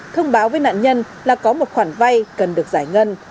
thông báo với nạn nhân là có một khoản vay cần được giải ngân